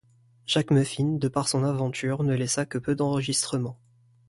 Jacques Muffin, de par son aventure, ne laissa que peu d'enregistrements.